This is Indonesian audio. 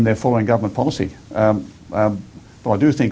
dan mereka mengikuti polisi pemerintah